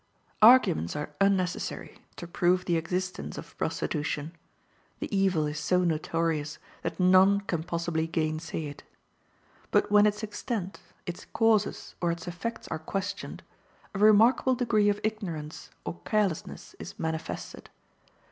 Arguments are unnecessary to prove the existence of prostitution. The evil is so notorious that none can possibly gainsay it. But when its extent, its causes, or its effects are questioned, a remarkable degree of ignorance or carelessness is manifested.